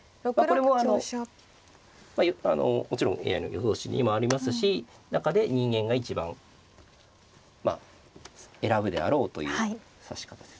これもあのもちろんＡＩの予想手にもありますし中で人間が一番選ぶであろうという指し方です。